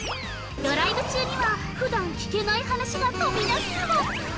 ドライブ中にはふだん聞けない話が飛び出すかも！？